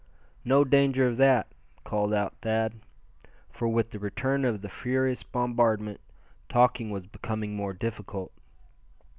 "No danger of that," called out Thad, for with the return of the furious bombardment talking was becoming more difficult.